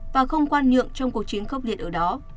và không khoan nhượng trong cuộc chiến khốc liệt ở đó